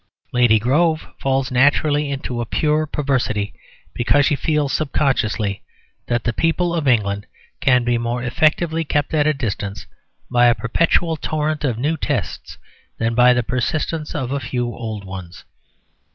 Lady Grove falls naturally into a pure perversity because she feels subconsciously that the people of England can be more effectively kept at a distance by a perpetual torrent of new tests than by the persistence of a few old ones.